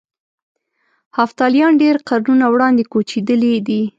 هفتالیان ډېر قرنونه وړاندې کوچېدلي دي.